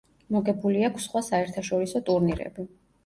მოგებული აქვს სხვა საერთაშორისო ტურნირები.